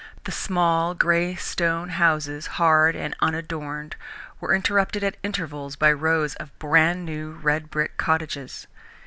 The small, grey stone houses, hard and unadorned, were interrupted at intervals by rows of brand new, red brick cottages.